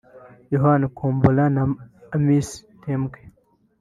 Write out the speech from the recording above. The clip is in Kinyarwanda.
Yohana Mkomola na Amiss Tambwe